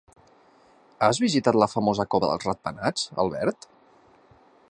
Has visitat la famosa cova de ratpenats, Albert?